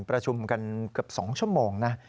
ประชุมกันเกือบ๒ชั่วโมงนะ